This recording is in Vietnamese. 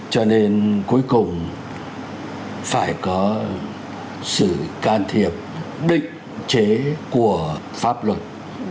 cho nên cuối cùng phải có sự can thiệp định chế của pháp luật